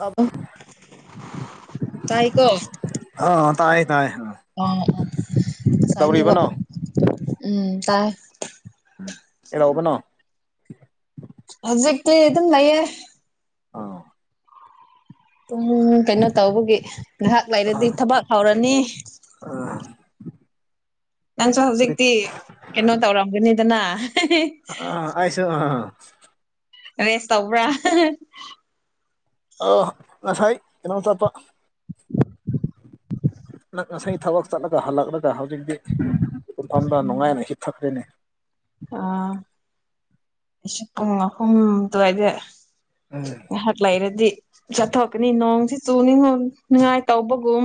ꯇꯥꯕ ꯇꯥꯏꯀꯣ ꯑ ꯇꯥꯏ ꯇꯥꯏ ꯑ ꯑ ꯉꯁꯥꯏꯅꯦꯠꯋꯥꯛ ꯀꯩꯗꯧꯔꯤꯕꯅꯣ ꯎꯝ ꯇꯥꯏ ꯎꯝ ꯑꯦ ꯂꯧꯕꯅꯣ ꯍꯧꯖꯤꯛꯇꯤ ꯑꯗꯨꯝ ꯂꯩꯌꯦ ꯑꯥ ꯇꯨꯡ ꯀꯩꯅꯣ ꯇꯧꯕꯒꯤ ꯉꯥꯏꯍꯥꯛ ꯂꯩꯔꯗꯤ ꯊꯕꯛ ꯍꯧꯔꯅꯤ ꯅꯪꯁꯨ ꯍꯧꯖꯤꯛꯇꯤ ꯀꯩꯅꯣ ꯇꯧꯔꯝꯒꯅꯤꯗꯅ [unintelligible] ꯑ ꯑꯩꯁꯨ ꯑ ꯔꯦꯁ ꯇꯧꯕ꯭ꯔꯥ ꯑꯣ ꯉꯁꯥꯏ ꯀꯩꯅꯣ ꯆꯠꯄ ꯉꯁꯥꯏ ꯊꯕꯛ ꯆꯠꯂꯒ ꯍꯜꯂꯛꯂꯒ ꯍꯧꯖꯤꯛꯇꯤꯗ ꯍꯤꯐꯝꯗ ꯅꯨꯡꯉꯥꯏꯅ ꯍꯤꯊꯛꯈ꯭ꯔꯦꯅꯦ ꯑ ꯑꯩꯁꯨ ꯄꯨꯡ ꯑꯍꯨꯝ ꯑꯗꯨꯋꯥꯏꯗ ꯎꯝ ꯑꯩꯥꯏꯍꯥꯛ ꯂꯩꯔꯗꯤ ꯆꯠꯊꯣꯛꯀꯅꯤ ꯅꯣꯡꯁꯤ ꯆꯨꯅꯤꯡꯉꯥꯏ ꯇꯧꯕꯒꯨꯝ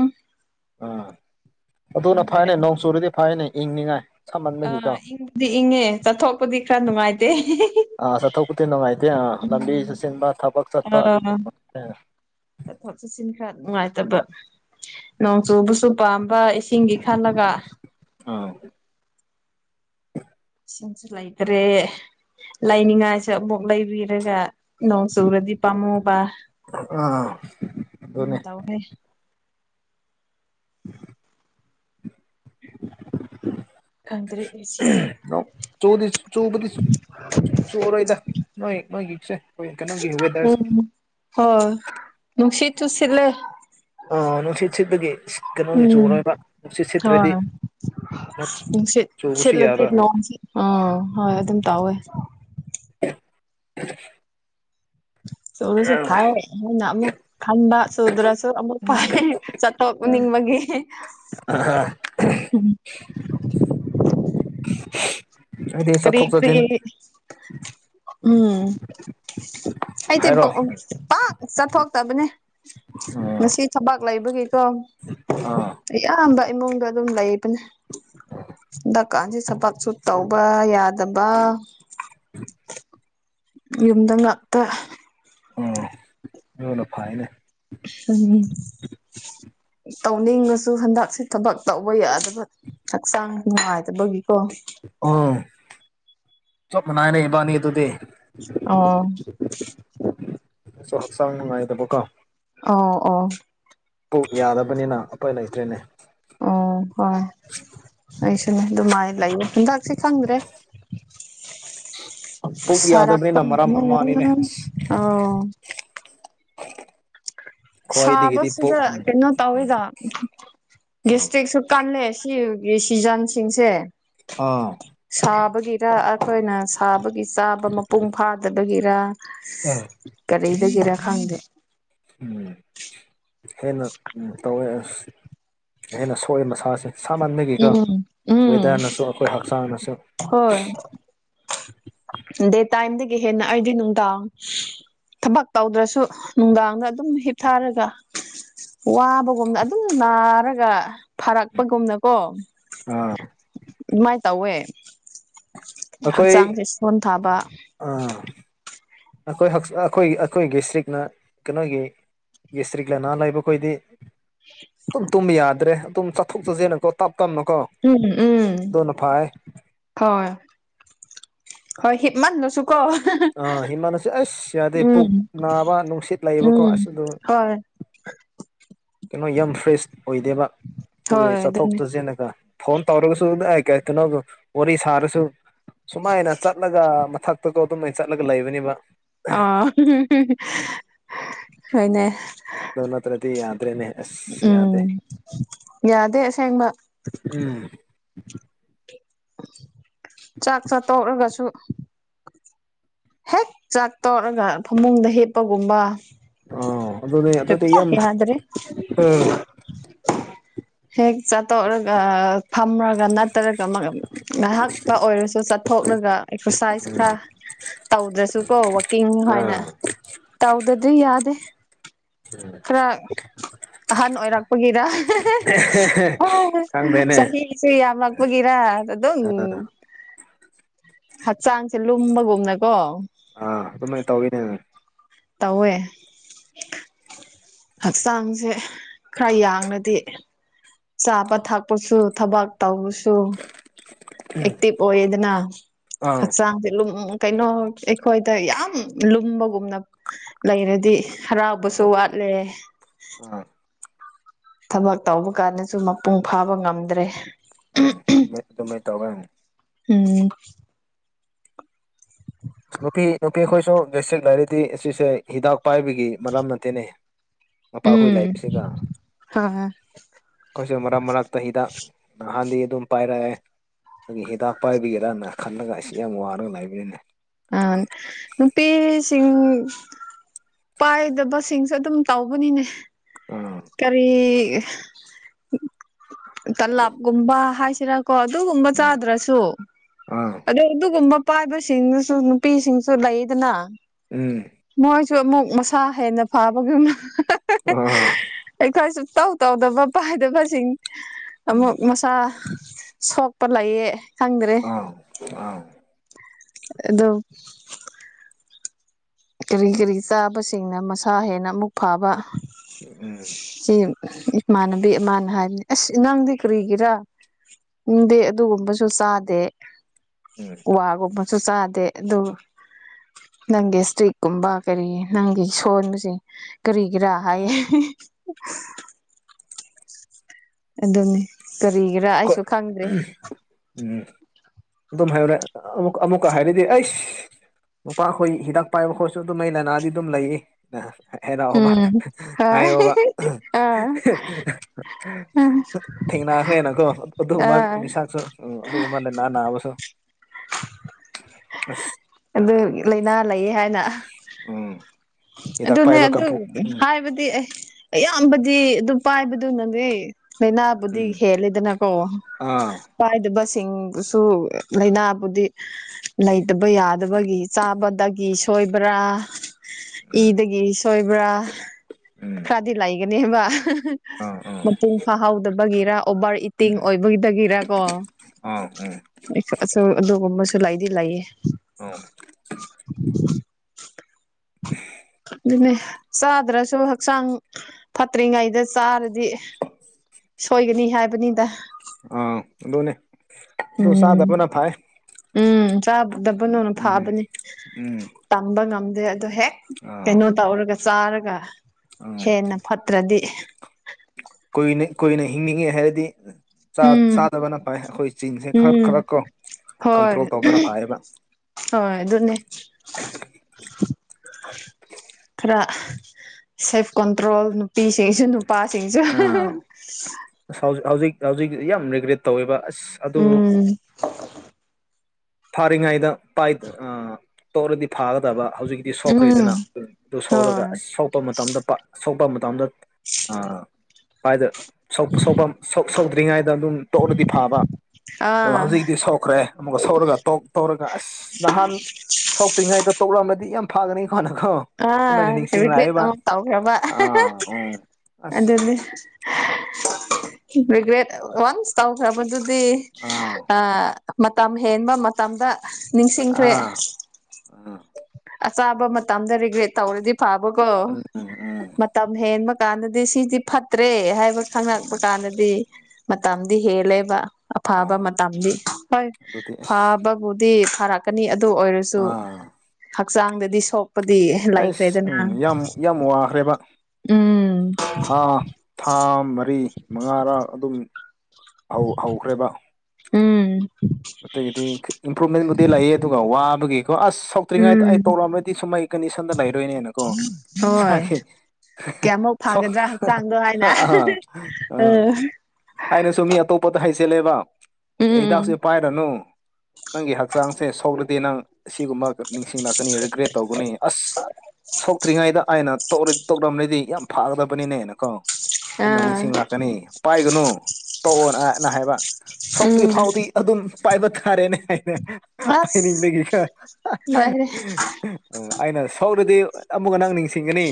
ꯎꯝ ꯑꯗꯨꯅ ꯈꯪꯗ꯭ꯔꯦ ꯐꯩꯅꯦ ꯅꯣꯡ ꯆꯨꯨꯔꯗꯤ ꯐꯩꯅꯦ ꯏꯪꯅꯤꯉꯥꯏ ꯑꯥ ꯏꯪꯕꯗꯤ ꯏꯪꯉꯦ ꯆꯠꯊꯣꯛꯄꯗꯤ ꯈꯔ ꯅꯨꯡꯉꯥꯏꯇꯦ ꯑꯥ ꯆꯠꯊꯣꯛꯄꯗꯤ ꯅꯨꯡꯉꯥꯏꯇꯦ ꯑꯥ ꯂꯝꯕꯤ ꯎꯝ ꯆꯠꯆꯟꯕ ꯊꯕꯛ ꯆꯠꯄ ꯑꯗꯨꯗꯤ ꯑꯥ ꯅꯨꯡꯉꯥꯏꯇꯦ ꯆꯠꯊꯣꯛ ꯆꯠꯁꯤꯟ ꯈꯔ ꯅꯨꯡꯉꯥꯏꯇꯕ ꯅꯣꯡ ꯆꯨꯕꯁꯨ ꯄꯥꯝꯕ ꯏꯁꯤꯡꯒꯤ ꯈꯜꯂꯒ ꯑꯥ ꯏꯁꯤꯡꯁꯨ ꯂꯩꯇ꯭ꯔꯦ ꯂꯥꯏꯅꯤꯡꯉꯥꯏꯁꯨ ꯑꯃꯨꯛ ꯂꯩꯕꯤꯔꯒ ꯅꯣꯡ ꯆꯨꯔꯗꯤ ꯄꯥꯝꯃꯨꯕ ꯑꯥ ꯑꯗꯨ ꯑꯗꯨꯅꯦ ꯇꯧꯋꯦ ꯈꯪꯗ꯭ꯔꯦ ꯉꯁꯤꯁꯦ ꯅꯣꯡ ꯆꯨ ꯆꯨꯕꯗꯤ ꯆꯨꯔꯣꯏꯗ [unintelligible] ꯋꯦꯗꯔꯁꯦ ꯎꯝ ꯍꯣꯏ ꯅꯨꯡꯁꯤꯠꯁꯨ ꯁꯤꯠꯂꯦ ꯑ ꯅꯨꯡꯁꯤꯠ ꯁꯤꯠꯄꯒꯤ ꯀꯩꯅꯣꯒꯤ ꯎꯝ ꯆꯨꯔꯣꯏꯕ ꯅꯨꯡꯁꯤꯠ ꯁꯤꯠꯇ꯭ꯔꯗꯤ ꯅꯨꯡ ꯁꯤꯠ ꯆꯨꯕꯁꯨ ꯁꯤꯠꯂꯗꯤ ꯌꯥꯕ ꯅꯣꯡ ꯑꯥ ꯍꯣꯏ ꯑꯗꯨꯝ ꯇꯧꯋꯦ [unintelligible] ꯆꯨꯔꯁꯨ ꯐꯥꯏ ꯍꯦꯟꯅ ꯑꯃꯨꯛ ꯈꯟꯕ ꯆꯨꯗ꯭ꯔꯁꯨ ꯑꯃꯨꯛ ꯐꯩꯌꯦ ꯆꯠꯊꯣꯛꯅꯤꯡꯕꯒꯤ [unintelligible] ꯎꯝ ꯍꯥꯏꯗꯤ ꯀꯔꯤ ꯆꯠꯊꯣꯛ ꯀꯔꯤ ꯆꯠꯁꯤꯟ ꯎꯝ ꯍꯥꯏꯔꯣ [unintelligible] ꯄꯥꯛ ꯆꯠꯊꯣꯛꯇꯕꯅꯦ ꯑꯥ ꯉꯁꯤ ꯊꯕꯛ ꯂꯩꯕꯒꯤꯀꯣ ꯑꯥ ꯑꯌꯥꯝꯕ ꯏꯃꯨꯡꯗ ꯑꯗꯨꯝ ꯂꯩꯕꯅꯦ ꯗꯀꯥꯟꯁꯤ ꯊꯕꯛꯁꯨ ꯇꯧꯕ ꯌꯥꯗꯕ ꯌꯨꯝꯗ ꯉꯥꯛꯇ ꯎꯝ ꯑꯗꯨꯅ ꯐꯥꯏꯅꯦ ꯎꯝ [unintelligible] ꯇꯧꯅꯤꯡꯉꯁꯨ ꯍꯟꯗꯛꯁꯦ ꯊꯕꯛ ꯇꯧꯕ ꯌꯥꯗꯕ ꯍꯛꯆꯥꯡ ꯅꯨꯡꯉꯥꯏꯇꯕꯒꯤꯀꯣ ꯑꯣ ꯆꯞ ꯅꯦꯕꯥꯅꯤ ꯑꯗꯨꯗꯤ ꯑꯣ ꯁꯨ ꯍꯛꯆꯥꯡ ꯅꯨꯡꯉꯥꯏꯗꯕ ꯀꯣ ꯑꯣ ꯑꯣ ꯌꯥꯗꯕꯅꯤꯅ ꯑꯐꯣꯏ ꯂꯩꯇꯣꯏꯅꯦ ꯑꯣ ꯍꯣꯏ ꯑꯩꯁꯨꯅꯦ ꯑꯗꯨꯃꯥꯏꯅ ꯂꯩꯌꯦ ꯍꯟꯇꯥꯛ ꯁꯤ ꯈꯪꯗ꯭ꯔꯦ ꯄꯨꯛ ꯁꯔꯠ ꯌꯥꯗꯕꯅꯤꯅ ꯃꯔꯝ ꯑꯃꯅꯤꯅꯦ ꯑꯥ [unintelligible] ꯈ꯭ꯋꯥꯏꯗꯒꯤꯗꯤ ꯄꯨꯛ ꯁꯥꯕꯁꯤꯗ ꯀꯩꯅꯣ ꯇꯧꯋꯤꯗ ꯒꯦꯁꯇ꯭ꯔꯤꯛꯁꯨ ꯀꯜꯂꯦ ꯁꯤꯒꯤ ꯁꯤꯖꯟꯁꯤꯡꯁꯦ ꯑꯥ ꯁꯥꯕꯒꯤꯔ ꯑꯩꯈꯣꯏꯅ ꯁꯥꯕꯒꯤ ꯆꯥꯕ ꯃꯄꯨꯡ ꯐꯥꯗꯕꯒꯤꯔ ꯑꯥ ꯀꯔꯤꯗꯒꯤꯔꯥ ꯈꯪꯗꯦ ꯎꯝ ꯍꯦꯟꯅ ꯎ ꯇꯧꯋꯦ ꯑꯁ ꯑꯩꯅ ꯁꯣꯛꯏꯕ ꯃꯁꯥꯁꯦ ꯁꯃꯟꯈꯤꯒ ꯎꯝ ꯎꯝ ꯋꯦꯗꯔꯅꯁꯨ ꯑꯩꯈꯣꯏ ꯍꯛꯆꯥꯡꯅꯁꯨ ꯍꯣꯏ ꯗꯦ ꯇꯥꯏꯝꯗꯒꯤ ꯍꯦꯟꯅ ꯑꯩꯗꯤ ꯅꯨꯡꯗꯥꯡ ꯊꯕꯛ ꯇꯧꯗ꯭ꯔꯁꯨ ꯅꯨꯡꯗꯥꯡꯗ ꯑꯗꯨꯝ ꯍꯤꯞꯊꯥꯔꯒ ꯋꯥꯕꯒꯨꯝꯅ ꯑꯗꯨꯝ ꯅꯥꯔꯒ ꯐꯔꯛꯄꯒꯨꯝꯅꯀꯣ ꯑꯥ ꯃꯥꯏ ꯇꯧꯋꯦ ꯍꯛꯆꯥꯡꯁꯦ ꯑꯩꯈꯣꯏ ꯁꯣꯟ ꯊꯥꯕ ꯑꯥ ꯑꯩꯈꯣꯏ ꯑꯩꯈꯣꯏꯒꯤ ꯑꯩꯈꯣꯏꯒꯤ ꯗꯤꯁꯇ꯭ꯔꯤꯛꯅ ꯀꯩꯅꯣꯒꯤ ꯌꯦꯁꯇ꯭ꯔꯤꯛ ꯂꯅꯥ ꯂꯩꯕꯈꯣꯏꯗꯤ ꯑꯗꯨꯝ ꯇꯨꯝꯕ ꯌꯥꯗ꯭ꯔꯦ ꯑꯗꯨꯝ ꯆꯠꯊꯣꯛ ꯆꯠꯁꯤꯅꯀꯣ ꯇꯞ ꯇꯞꯅꯀꯣ ꯎꯝ ꯎꯝ ꯑꯗꯨꯅ ꯐꯩ ꯍꯣꯏꯃ ꯅꯆꯨꯞ ꯑꯥ ꯏꯃꯥꯟꯅꯁꯨ ꯑꯁ ꯌꯥꯗꯦ ꯎꯝ ꯄꯨꯛ ꯅꯥꯕ ꯅꯨꯡꯁꯤꯠ ꯂꯩꯕꯀꯣ ꯎꯝ ꯑꯁ ꯑꯗꯨ ꯀꯣꯏ ꯀꯩꯅꯣ ꯌꯥꯝ ꯐ꯭ꯔꯦꯁ ꯑꯣꯏꯗꯦꯕ ꯑꯗꯨꯒ ꯍꯣꯏ ꯆꯠꯊꯣꯛ ꯑꯗꯨꯅꯦ ꯆꯠꯁꯤꯟꯂꯒ ꯐꯣꯟ ꯇꯧꯔꯒꯁꯨ ꯀꯩꯅꯣ ꯋꯥꯔꯤ ꯁꯥꯔꯁꯨ ꯁꯨꯃꯥꯏꯅ ꯆꯠꯂꯒ ꯃꯊꯛ ꯑꯗꯨꯝꯃꯥꯏꯅ ꯆꯠꯂꯒ ꯂꯩꯕꯅꯤꯕ ꯑ ꯍꯣꯏ ꯅꯦ ꯑꯗꯨꯣꯟ ꯍꯠꯇꯗꯤ ꯌꯥꯗ꯭ꯔꯦꯅꯦ ꯑꯁ ꯌꯥꯗꯦ ꯎꯝ ꯌꯥꯗꯦ ꯁꯦꯡꯃ ꯎꯝ ꯆꯥꯛ ꯆꯥꯠꯇꯣꯛꯔꯒꯁꯨ ꯍꯦꯛ ꯆꯥꯛ ꯇꯧꯔꯒ ꯐꯃꯨꯡꯗ ꯍꯦꯞꯄꯒꯨꯝꯕ ꯑꯥ ꯌꯥꯗ꯭ꯔꯦ ꯎꯝ ꯍꯦꯒ ꯆꯥꯊꯣꯛꯔꯒ ꯐꯝꯔꯒ ꯅꯠꯇꯔꯒ ꯑꯃꯒ ꯉꯥꯏꯍꯥꯛꯄ ꯑꯣꯏꯔꯁꯨ ꯆꯠꯊꯣꯛꯂꯒ ꯑꯦꯛꯁꯔꯁꯥꯏꯁ ꯈꯔ ꯇꯧꯗ꯭ꯔꯁꯨ ꯀꯣ ꯋꯥꯛꯀꯤꯡ ꯍꯥꯏꯅ ꯑꯥ ꯇꯧꯗꯗꯤꯗꯤ ꯌꯥꯗꯦ ꯈꯔ ꯑꯍꯟ ꯑꯣꯏꯔꯛꯄꯒꯤꯔ ꯍ ꯈꯪꯗꯦꯅꯦ ꯁꯍꯤꯁꯤ ꯌꯥꯝꯃꯒ ꯃꯒꯔ ꯑꯗꯨꯣ ꯑꯥ ꯍꯛꯆꯥꯡꯁꯦ ꯂꯨꯝꯕꯒꯨꯝꯅꯀꯣ ꯑꯥ ꯑꯗꯨꯃꯥꯏꯅ ꯇꯧꯋꯤꯅꯦ ꯇꯧꯋꯦ ꯍꯛꯆꯥꯡꯁꯦ ꯈꯔ ꯌꯥꯡꯅꯗꯤ ꯆꯥꯕ ꯊꯛꯄꯁꯨ ꯊꯕꯛ ꯇꯧꯕꯁꯨ ꯑꯦꯛꯇꯤꯚ ꯑꯣꯏꯌꯦꯗꯅ ꯑꯥ ꯍꯛꯆꯥꯡꯁꯂ ꯀꯩꯅꯣ ꯑꯩꯈꯣꯏꯗ ꯌꯥꯝ ꯂꯨꯝꯕꯒꯨꯝꯅ ꯂꯩꯔꯗꯤ ꯍꯔꯥꯎꯕꯁꯨ ꯋꯥꯠꯂꯦ ꯎꯝ ꯊꯕꯛ ꯇꯧꯕ ꯀꯥꯟꯗꯁꯨ ꯃꯄꯨꯡ ꯐꯥꯕ ꯉꯝꯗ꯭ꯔꯦ ꯎꯝ ꯑꯗꯨꯃꯥꯏꯅ ꯇꯧꯔꯦ ꯎꯝ ꯅꯨꯄꯤ ꯅꯨꯄꯤ ꯑꯩꯈꯣꯏꯁꯨ ꯗꯤꯁꯇ꯭ꯔꯤꯛ ꯂꯥꯏꯔꯤꯇꯤ ꯑꯁꯤꯁꯦ ꯍꯤꯗꯥꯛ ꯄꯥꯏꯕꯒꯤ ꯃꯔꯝꯅ ꯠꯇꯦꯅꯦ ꯃꯄꯥꯈꯣꯏ ꯎꯝ ꯂꯥꯛꯄꯁꯤꯒ ꯍꯣꯏ ꯀꯣꯏꯁ ꯃꯔꯛ ꯃꯔꯛꯇ ꯍꯤꯗ ꯅꯍꯥꯟꯗꯤ ꯑꯗꯨꯝ ꯄꯥꯏꯔꯛꯑꯦ ꯑꯗꯨꯒꯤ ꯍꯤꯗꯥꯛ ꯄꯥꯏꯕꯤꯒꯦꯔꯅ ꯈꯜꯂꯒ ꯑꯩꯁꯤ ꯌꯥꯝ ꯋꯥꯔꯒ ꯂꯩꯥꯏꯕꯅꯤꯅꯦ ꯑ ꯅꯨꯄꯤꯁꯤꯡ ꯄꯥꯏꯗꯕꯁꯤꯡꯁꯨ ꯑꯗꯨꯝ ꯇꯧꯕꯅꯤꯅꯦ ꯑ ꯀꯔꯤ ꯇꯂꯥꯞꯀꯨꯝꯕ ꯍꯥꯏꯁꯤꯔꯥ ꯀꯣ ꯑꯗꯨꯒꯨꯝꯕ ꯎꯝ ꯆꯥꯗ꯭ꯔꯁꯨ ꯑꯥ ꯑꯗꯣ ꯑꯗꯨꯒꯨꯝꯕ ꯅꯨꯄꯥꯥꯏꯕꯁꯤꯡꯗꯨꯁꯨ ꯅꯨꯄꯤꯁꯤꯡꯁꯨ ꯂꯩꯗꯅ ꯎꯝ ꯃꯣꯏꯁꯨ ꯑꯃꯨꯛ ꯃꯁꯥ ꯍꯦꯟꯅ ꯐꯥꯕꯒꯨꯝ ꯑ ꯈꯔꯁꯨ ꯇꯧ ꯇꯧꯗꯕ ꯄꯥꯏꯗꯕꯁꯤꯡ ꯎꯝ ꯑꯃꯨꯛ ꯆ ꯁꯣꯛꯄ ꯂꯩꯌꯦ ꯈꯪꯗ꯭ꯔꯦ ꯑꯥ ꯑꯥ ꯗꯣ ꯀꯔꯤ ꯀꯔꯤ ꯆꯥꯕꯁꯤꯡꯅ ꯃꯁꯥ ꯍꯦꯟꯅ ꯑꯃꯨꯛ ꯐꯥꯕ ꯎꯝ ꯁꯤ ꯏꯃꯥꯟꯅꯕꯤ ꯏꯃꯥꯟꯅ ꯍꯥꯏꯕꯅꯤ ꯑꯁ ꯅꯪꯗꯤ ꯀꯔꯤꯒꯤꯔꯥ ꯗꯤꯦ ꯑꯗꯨꯒꯨꯝꯕꯁꯨ ꯆꯥꯗꯦ ꯎꯝ ꯋꯥꯒꯨꯝꯕꯁꯨ ꯆꯥꯗꯦ ꯑꯗꯨ ꯅꯪꯒꯤ ꯏꯁꯇ꯭ꯔꯤꯛ ꯒꯨꯝꯕ ꯀꯔꯤ ꯅꯪꯒꯤ ꯁꯣꯟꯕꯁꯦ ꯀꯔꯤꯒꯤꯔꯥ ꯍꯥꯏꯌꯦ ꯑꯗꯨꯅꯤ ꯀꯔꯤꯒꯤꯔꯥ ꯑꯩꯈꯣꯏ ꯑꯩꯁꯨ ꯈꯪꯗ꯭ꯔꯦ ꯎꯝ ꯑꯗꯨꯝ ꯍꯥꯏꯌꯨꯔꯦ ꯑꯃ ꯑꯃꯨꯛꯀ ꯍꯥꯏꯔꯤꯗꯤ ꯑꯩꯁ ꯅꯨꯄꯥꯈꯣꯏ ꯍꯤꯗꯥꯛ ꯄꯥꯏꯕ ꯈꯣꯠꯁꯨ ꯑꯗꯨꯝ ꯑꯩ ꯂꯥꯏꯅꯥꯗꯤ ꯑꯗꯨꯝ ꯂꯩꯌꯦ ꯍꯗꯥꯛꯑꯣꯕ ꯎꯝ ꯍꯣꯏ ꯍꯥꯏꯌꯣꯕ ꯑꯥ ꯊꯦꯡꯅꯈ꯭ꯔꯦꯅꯀꯣ ꯑꯗꯨꯒꯨꯝꯕ ꯑꯥ ꯃꯤꯁꯥꯛꯁꯨ ꯎ ꯑꯗꯨꯒꯨꯝꯕ ꯂꯥꯏꯅꯥ ꯅꯥꯕꯁꯨ ꯑꯁ ꯑꯗꯨ ꯂꯥꯏꯅꯥ ꯂꯩꯌꯦ ꯍꯥꯏꯅ ꯎ ꯑꯗꯨꯅꯦ ꯑꯗꯨ ꯍꯥꯏꯕꯗꯤ ꯑꯩ ꯑꯌꯥꯝꯕꯗꯤ ꯑꯗꯨ ꯄꯥꯏꯕꯗꯨꯅꯅꯦ ꯂꯩꯅꯥꯕꯨꯗꯤꯤ ꯎꯝ ꯍꯦꯗꯅꯥ ꯀꯣ ꯑꯥ ꯄꯥꯏꯗꯕꯁꯤꯡꯁꯨ ꯂꯥꯏꯅꯥꯕꯨꯗꯤ ꯂꯩꯇꯕ ꯌꯥꯗꯕꯒꯤ ꯆꯥꯕꯗꯒꯤ ꯁꯣꯏꯕ꯭ꯔꯥ ꯎꯝ ꯏꯗꯒꯤ ꯁꯣꯏꯕ꯭ꯔꯥ ꯎꯝ ꯈꯔꯗꯤ ꯂꯩꯒꯅꯦꯕ ꯑꯥ ꯑꯥ ꯃꯄꯨꯡ ꯐꯥꯍꯥꯎꯗꯕꯒꯤꯔ ꯑꯣꯕꯥꯔ ꯏꯇꯦꯡ ꯎꯝ ꯑꯣꯏꯕꯒꯤꯗꯒꯤꯔ ꯀꯣ ꯑꯥ ꯎꯝ ꯑꯁ ꯑꯗꯨꯒꯨꯝꯕꯁꯨ ꯂꯩꯗꯤ ꯂꯩꯌ‌ꯦ [unintelligible] [unintelligible] [unintelligible] ꯑꯗꯨꯅꯦ ꯆꯥꯗ꯭ꯔꯁꯨ ꯍꯛꯆꯥꯡ ꯐꯠꯇ꯭ꯔꯤꯉꯩꯗ ꯆꯥꯔꯗꯤ ꯁꯣꯏꯒꯅꯤ ꯍꯥꯏꯕꯅꯤꯗ ꯑꯥ ꯑꯗꯨꯅꯦ ꯑꯗꯨ ꯎꯝ ꯆꯥꯗꯕꯅ ꯐꯩꯌ‌ꯦ ꯎꯝ ꯆꯥꯗꯕꯨ ꯎꯝ ꯐꯥꯕꯅꯤ ꯎꯝ ꯇꯝꯕ ꯉꯝꯗꯦ ꯑꯗꯣ ꯍꯦꯛ ꯑꯥ ꯀꯩꯅꯣ ꯇꯧꯔꯒ ꯆꯥꯔꯒ ꯑꯥ ꯍꯦꯟꯅ ꯐꯠꯇ꯭ꯔꯗꯤ ꯀꯨꯏꯅ ꯀꯨꯏꯅ ꯍꯤꯡꯅꯤꯡꯉꯦ ꯍꯥꯏꯔꯗꯤ ꯆꯥ ꯎꯝ ꯆꯥꯗꯕꯅ ꯐꯥꯏꯌ‌ꯦ ꯑꯩꯈꯣꯏ ꯆꯤꯡꯁꯦ ꯈꯔ ꯎꯝ ꯈꯔ ꯀꯣ ꯀꯟꯇ꯭ꯔꯣꯜ ꯇꯧꯕꯅ ꯐꯥꯏꯌꯦꯕ ꯍ‌ꯣꯏ ꯑꯗꯨꯅꯦ ꯈꯔ ꯁꯦꯜꯐ ꯀꯟꯇ꯭ꯔꯣꯜ ꯅꯨꯄꯤꯁꯤꯡꯁꯨ ꯅꯨꯄꯥꯁꯤꯡꯁꯨ ꯑꯥ ꯑꯁ ꯍꯧꯖꯤꯛ ꯍꯧꯖꯤꯛ ꯍꯧꯖꯤꯛ ꯌꯥꯝ ꯔꯤꯒ꯭ꯔꯦꯠ ꯇꯧꯋꯦꯕ ꯑꯁ ꯑꯗꯨ ꯎꯝ ꯐꯥꯔꯤꯉꯩꯗ ꯄꯥꯏ ꯑꯥ ꯇꯧꯔꯗꯤ ꯐꯥꯒꯗꯕ ꯍꯧꯖꯤꯛ ꯗꯤ ꯎꯝ ꯁꯣꯛꯈ꯭ꯔꯦꯗꯅ ꯑꯗꯨ ꯍꯣꯏ ꯁ‌ꯣꯛꯔꯒ ꯑꯁ ꯁꯣꯛꯄ ꯃꯇꯝꯗ ꯁꯣꯛꯄ ꯃꯇꯝꯗ ꯑ ꯄꯥꯏꯗ ꯁ‌ꯣꯛ ꯁ‌ꯣꯛꯄ ꯁ‌ꯣꯛ ꯁ‌ꯣꯛꯗ꯭ꯔꯤꯉꯩꯗ ꯑꯗꯨꯝ ꯇꯣꯛꯂꯗꯤ ꯐꯥꯕ ꯑꯗ‌ꯣ ꯑꯥ ꯍꯧꯖꯤꯛꯇꯤ ꯁ‌ꯣꯛꯈ꯭ꯔꯦ ꯑꯃꯨꯛꯀ ꯁ‌ꯣꯛꯔꯒ ꯇꯣꯛ ꯇꯧꯔꯒ ꯑꯁ ꯅꯍꯥꯟ ꯁꯣꯛꯇ꯭ꯔꯤꯉꯩꯗ ꯇꯧꯔꯛꯃꯗꯤ ꯌꯥꯝ ꯐꯥꯒꯅꯤꯀꯣꯅꯀꯣ ꯑ ꯔꯤꯒꯔ‌ꯦꯠ ꯑꯃꯨꯛ ꯇꯧꯈ꯭ꯔꯕ ꯑꯥ ꯎꯝ ꯑꯁ ꯑꯗꯨꯅ‌ꯦ ꯔꯤꯒ꯭ꯔꯦꯠ ꯋꯥꯟꯁ ꯇꯧꯈ꯭ꯔꯕ ꯗꯨꯗꯤ ꯑꯥ ꯃꯇꯝ ꯍꯦꯟꯕ ꯃꯇꯝꯗ ꯅꯤꯡꯁꯤꯡꯈ꯭ꯔꯦ ꯑꯥ ꯎꯝ ꯑꯆꯥꯥꯕ ꯃꯇꯝꯗ ꯔꯤꯒꯔ‌ꯦꯠ ꯇꯧꯔꯗꯤ ꯐꯥꯕꯀꯣ ꯎꯝ ꯎꯝ ꯃꯇꯝ ꯍꯦꯟꯕ ꯀꯥꯟꯗꯗꯤ ꯁꯤꯗꯤ ꯐꯠꯇ꯭ꯔꯦ ꯍꯥꯏꯕ ꯈꯪꯪꯂꯛꯄ ꯎꯝ ꯀꯥꯟꯗꯗꯤ ꯃꯇꯝꯗꯤ ꯍꯦꯜꯂꯦꯕ ꯑꯐꯥꯕ ꯑꯥ ꯃꯇꯝꯗꯤ ꯍꯣꯏ ꯑꯗꯨꯗꯤ ꯑꯁ ꯐꯕ ꯑꯗꯨꯕꯨꯗꯤ‌ ꯐꯔꯛꯀꯅꯤ ꯑꯗꯨ ꯑꯣꯏꯔꯁꯨ ꯑꯥ ꯍꯛꯆꯥꯡ‌ꯗꯗꯤ ꯁ‌ꯣꯛꯀ ꯗꯤ ꯑꯩꯁ ꯂꯩꯥꯏꯈ꯭ꯔꯦꯗꯅ ꯎꯝ ꯌꯥꯝ ꯌꯥꯝ ꯋꯥꯈ꯭ꯔꯦꯕ ꯎꯝ ꯊꯥ ꯊꯥ ꯃꯔꯤ ꯃꯉꯥꯔ ꯑꯗꯨꯝ ꯍꯧ ꯍꯧꯈ꯭ꯔꯦꯕ ꯎꯝ ꯑꯗꯒꯤꯗꯤ ꯏꯝꯄ꯭ꯔꯨꯚꯃꯦꯟꯕꯨꯗꯤ ꯂꯩꯌꯦ ꯑꯗꯨꯒ ꯋꯥꯕꯒꯤꯀꯣ ꯑꯁ ꯇ꯭ꯔꯤꯉꯩꯗ ꯎꯝ ꯑꯩ ꯇ‌ꯣꯛꯔꯝꯃꯗꯤ ꯁꯨꯝꯃꯥꯏ ꯀꯟꯗꯤꯁꯟꯗ ꯂꯩꯔꯣꯏꯅꯦꯅꯀꯣ ꯍꯣꯏ ꯏꯁꯥꯒꯤ ꯀꯌꯥꯃꯨꯛ ꯐꯒꯗ꯭ꯔꯥ ꯍꯛꯆꯥꯡꯗꯣ ꯍꯥꯏꯅ ꯎꯝ [unintelligible] ꯑꯩꯅꯁꯨ ꯃꯤ ꯑꯇꯣꯞꯄꯗ ꯍꯥꯏꯖꯤꯜꯂꯦꯕ ꯑꯦ ꯎꯝ ꯍꯤꯗꯥꯛꯁꯦ ꯄꯥꯏꯔꯅꯨ ꯅꯪꯒꯤ ꯍꯛꯆꯥꯡꯁꯦ ꯁ‌ꯣꯛꯔꯗꯤ ꯅꯪ ꯑꯁꯤꯒꯨꯝꯕ ꯅꯤꯡꯁꯤꯡꯂꯛꯀꯅꯤ ꯔꯤꯒ꯭ꯔꯦꯠ ꯇꯧꯒꯅꯤ ꯑꯁ ꯁꯣꯛꯇ꯭ꯔꯤꯉꯩꯗ ꯑꯩꯅ ꯇꯣꯛ ꯇꯣꯛꯔꯝꯂꯗꯤ ꯌꯥꯝ ꯐꯥꯒꯗꯕꯅꯤꯅꯦꯅꯀꯣ ꯑꯗꯨꯃꯥꯏꯅ ꯑꯥ ꯅꯤꯡꯁꯤꯡꯂꯛꯀꯅꯤ ꯄꯥꯏꯒꯅꯨ ꯇ‌ꯣꯛꯑꯣꯅꯅ ꯍꯥꯏꯕ ꯁꯣꯛꯇ꯭ꯔꯤ ꯎꯝ ꯐꯥꯎꯗꯤ ꯑꯗꯨꯝ ꯄꯥꯏꯕ ꯇꯥꯔꯦꯅꯦ ꯍꯥꯏꯅ ꯑꯁ ꯄꯥꯏꯅꯤꯡꯕꯒꯤꯀ‌ꯣ ꯂꯣꯏꯔꯦ ꯎ ꯑꯩꯅ ꯁ‌ꯣꯛꯔꯗꯤ ꯑꯃꯨꯛꯀꯥ ꯅꯪ ꯅꯤꯡꯁꯤꯡꯒꯅꯤ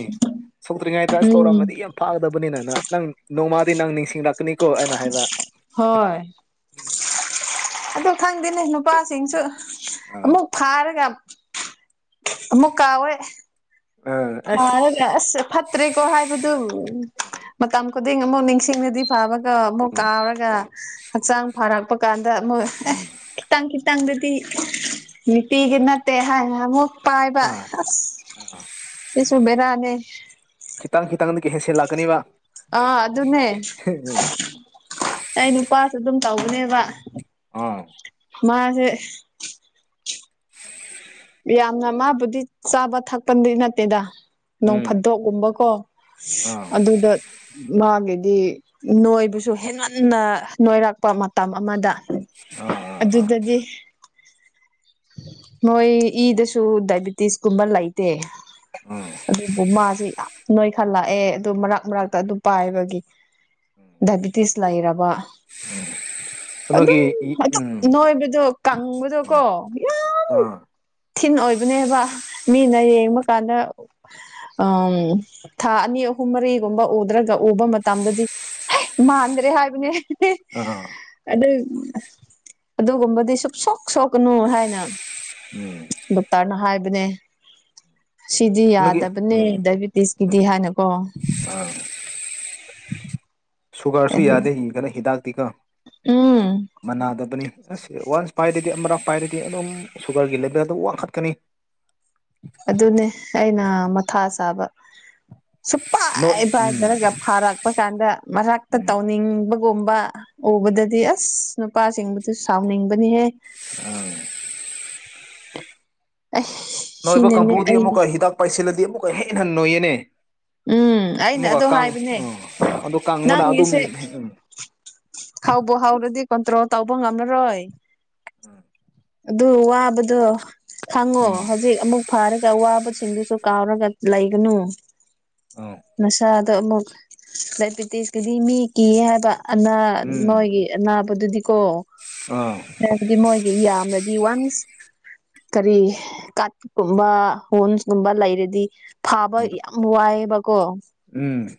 ꯁꯣꯛꯇ꯭ꯔꯤꯉꯩꯗ ꯑꯁ ꯎꯝ ꯇꯧꯔꯝꯃꯗꯤ ꯌꯥꯝ ꯐꯥꯒꯗꯕꯅꯤꯅꯅ ꯅꯪ ꯅꯣꯡꯃꯥꯗꯤ ꯅꯪ ꯅꯤꯡꯁꯤꯡꯂꯛꯀꯅꯤ ꯍꯣꯏ ꯑꯗꯨ ꯈꯪꯗꯦꯅꯦ ꯅꯨꯄꯥꯁꯤꯡꯁꯨ ꯑꯥ ꯑꯃꯨꯛ ꯐꯥꯔꯒ ꯑꯃꯨꯛ ꯀꯧꯈꯔ‌ꯦ ꯐꯥꯔꯒ ꯑꯁ ꯐꯠꯇ꯭ꯔꯦꯀꯣ ꯍꯥꯏꯕꯗꯨ ꯃꯇꯝ ꯈꯨꯗꯤꯡ ꯑꯃꯨꯛ ꯅꯤꯡꯁꯤꯡꯂꯗꯤ ꯐꯕ ꯗ‌ꯣ ꯑꯃꯨꯛ ꯎꯝ ꯀꯧꯔꯒ ꯍꯛꯆꯥꯡ ꯐꯔꯛꯄ ꯀꯥꯟꯗ ꯑꯃꯨꯛ ꯈꯤꯇꯪ ꯈꯤꯇꯪꯗꯨꯗꯤ ꯅꯨꯡꯇꯤꯒꯤ ꯅꯠꯇꯦ ꯍꯥꯏꯅ ꯑꯃꯨꯛ ꯄꯥꯏꯕ ꯑꯥ ꯑꯁ ꯑꯥ ꯁꯤꯁꯨ ꯕꯦꯔꯅꯦ ꯈꯤꯇꯪ ꯈꯤꯇꯪꯗ ꯒꯤ ꯍꯦꯟꯁꯦꯜ ꯂꯥꯛꯀꯅꯤꯕ ꯑꯥ ꯑꯗꯨꯅꯦ ꯑꯩ ꯅꯨꯄꯥꯁꯨ ꯑꯗꯨꯝ ꯇꯧꯕꯅꯦꯕ ꯑꯥ ꯃꯥꯁꯦ ꯌꯥꯝꯅ ꯃꯥꯕꯨꯗꯤ ꯆꯥꯕ ꯊꯛꯄꯗꯤ ꯅꯠꯇꯦꯗ ꯅꯣꯡ ꯎꯝ ꯐꯥꯗꯣꯛꯒꯨꯝꯕꯀꯣ ꯑꯥ ꯑꯗꯨꯗ ꯃꯥꯒꯤꯗꯤ ꯅꯣꯏꯕꯨꯁꯨ ꯍꯦꯟꯃꯟꯅ ꯅꯣꯏꯔꯛꯄ ꯃꯇꯝ ꯑꯃꯗ ꯑꯥ ꯑꯥ ꯑꯥ ꯑꯗꯨꯗꯗꯤ ꯃꯣꯏ ꯏꯗꯁꯨ ꯗꯥꯏꯕꯤꯇꯤꯁ ꯀꯨꯝꯕ ꯂꯩꯇꯦ ꯑꯣ ꯑꯗꯨꯕꯨ ꯃꯥꯁꯤ ꯌꯥꯝ ꯅꯣꯏꯈꯠꯂꯛꯑꯦ ꯑꯗꯨ ꯃꯔꯛ ꯃꯔꯛꯇ ꯑꯗꯨ ꯄꯥꯏꯕꯒꯤ ꯎꯝ ꯗꯥꯏꯕꯤꯇꯤꯁ ꯂꯩꯔꯕ ꯑꯗꯨꯝ ꯀꯩꯅꯣꯒꯤ ꯑꯗꯨꯝ ꯎꯝ ꯅꯣꯏꯕꯗꯣ ꯀꯪꯕꯗꯣ ꯀꯣ ꯑꯥ ꯊꯤꯟ ꯑꯣꯏꯕꯅꯦꯕ ꯃꯤꯅ ꯌꯦꯡꯕ ꯀꯥꯟꯗ ꯎ ꯊꯥ ꯑꯅꯤ ꯑꯍꯨꯝ ꯃꯔꯤꯒꯨꯝꯕ ꯎꯗ꯭ꯔꯒ ꯎꯕ ꯃꯇꯝꯗꯗꯤ ꯃꯥꯟꯗ꯭ꯔꯦ ꯍꯥꯏꯕꯅꯦ ꯑ ꯑꯗꯨ ꯑꯗꯨꯒꯨꯝꯕꯗꯤ ꯁ ꯁꯣꯛ ꯁꯣꯛꯀꯅꯨ ꯍꯥꯏꯅ ꯎꯝ ꯂꯇꯔꯅ ꯍꯥꯏꯕꯅꯦ ꯁꯤꯗꯤ ꯀꯩꯅꯣꯒꯤ ꯌꯥꯗꯕꯅꯦ ꯗꯥꯏꯕꯤꯦꯇꯤꯁꯀꯤꯗꯤ ꯍꯥꯏꯅꯀꯣ ꯑ ꯁꯨꯒꯥꯔꯁꯨ ꯌꯥꯗꯦꯒꯅ ꯍꯤꯗꯥꯛꯇꯤꯒ ꯎꯝ ꯃꯅꯥꯗꯕꯅꯤ ꯑꯁ ꯋꯥꯟꯁ ꯄꯥꯏꯔꯗꯤ ꯑꯃꯔꯛ ꯄꯥꯏꯔꯗꯤ ꯑꯗꯨꯝ ꯁꯨꯒꯔꯒꯤ ꯂꯦꯚꯦꯜꯗ ꯋꯥꯡꯈꯠꯀꯅꯤ ꯑꯗꯨꯅꯦ ꯑꯩꯅ ꯃꯊꯥ ꯆꯥꯕ ꯅꯣꯏ ꯁꯨꯄꯥꯏ ꯎꯝ ꯄꯥꯏꯊꯔꯒ ꯐꯥꯔꯛꯄ ꯀꯥꯟꯗ ꯃꯊꯛꯇ ꯇꯧꯅꯤꯡꯕꯒꯨꯝꯕ ꯎꯕꯗꯗꯤ ꯑꯁ ꯅꯨꯄꯥꯁꯤꯡꯕꯗꯨ ꯁꯥꯎꯅꯤꯡꯕꯅꯤꯍꯦ ꯑ ꯑ ꯅꯣꯏꯕ ꯀꯥꯡꯕꯨꯗꯤ ꯑꯃꯨꯛꯀ ꯍꯤꯗꯥꯛ ꯄꯥꯏꯁꯤꯜꯂꯗꯤ ꯑꯃꯨꯛꯀ ꯍꯦ ꯍꯟꯅ ꯅꯣꯏꯌꯦꯅꯦ ꯎꯝ ꯑꯩꯅ ꯑꯃꯨꯛꯀ ꯑꯗꯨꯣ ꯀꯥꯡ ꯍꯥꯏꯕꯅꯦ ꯑꯥ ꯑꯗꯨ ꯀꯥꯡꯕꯅ ꯑꯗꯨꯝ ꯅꯪꯉꯁꯦ ꯎꯝ ꯍꯥꯎꯕ ꯍꯥꯎꯔꯗꯤ ꯀꯟꯇ꯭ꯔꯣ ꯇꯥꯎꯧꯕ ꯉꯝꯃꯔꯣꯏ ꯎꯝ ꯑꯗꯨ ꯋꯥꯕꯗꯣ ꯈꯪꯉꯣ ꯍꯧꯖꯤꯛ ꯑꯃꯨꯛ ꯐꯥꯔꯒ ꯑꯋꯥꯕꯁꯤꯡꯗꯨꯁꯨ ꯀꯥꯎꯔꯒ ꯂꯩꯒꯅꯨ ꯑ ꯅꯁꯥꯗꯣ ꯑꯃꯨꯛ ꯗꯥꯏꯕꯤꯇꯤꯁꯀꯤꯗꯤ ꯃꯤ ꯀꯤ ꯍꯥꯏꯕ ꯑꯅꯥ ꯎꯝ ꯃꯣꯏꯒꯤ ꯅꯥꯕ ꯑꯗꯨꯗꯤꯀꯣ ꯑꯥ ꯍꯥꯏꯕꯗꯤ ꯃꯣꯏꯒꯤ ꯌꯥꯝꯅꯗꯤ ꯋꯥꯟꯁ ꯀꯔꯤ ꯀꯠꯀꯨꯝꯕ ꯍꯣꯟꯟꯁꯀꯨꯝꯕ ꯂꯩꯔꯗꯤ ꯐꯥꯕ ꯌꯥꯝ ꯋꯥꯏꯑꯦꯕꯀꯣ ꯎꯝ